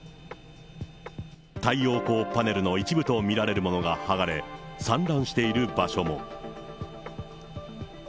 太陽光パネルの一部と見られるものが剥がれ、散乱している場所も。